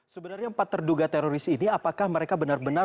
sebenarnya empat terduga teroris ini apakah mereka benar benar